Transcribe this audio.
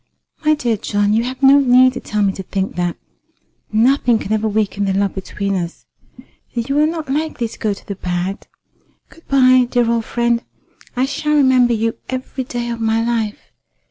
"My dear John, you have no need to tell me to think that. Nothing can ever weaken the love between us. And you are not likely to go to the bad. Good bye, dear old friend. I shall remember you every day of my life.